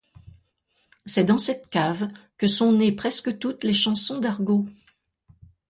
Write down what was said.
C'est dans cette cave que sont nées presque toutes les chansons d'argot.